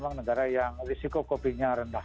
memang negara yang risiko covid nya rendah